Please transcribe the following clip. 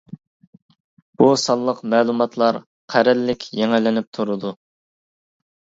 بۇ سانلىق مەلۇماتلار قەرەللىك يېڭىلىنىپ تۇرىدۇ.